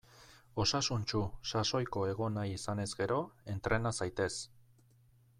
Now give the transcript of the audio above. Osasuntsu, sasoiko egon nahi izanez gero; entrena zaitez!